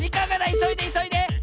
いそいでいそいで！